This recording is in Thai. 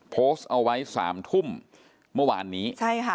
โพสต์เอาไว้๓ทุ่มเมื่อวานนี้